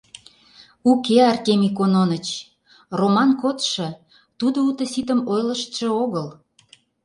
— Уке, Артемий Кононыч, Роман кодшо, тудо уто-ситым ойлыштшо огыл.